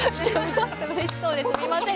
ちょっとうれしそうですみません。